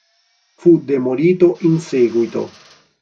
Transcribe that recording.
Fu demolito in seguito.